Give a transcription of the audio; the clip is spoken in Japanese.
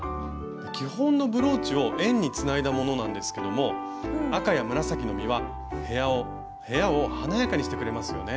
基本のブローチを円につないだものなんですけども赤や紫の実は部屋を華やかにしてくれますよね。